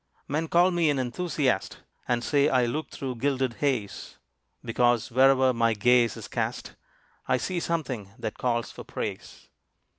Men call me an enthusiast, And say I look through gilded haze: Because where'er my gaze is cast, I see some thing that calls for praise.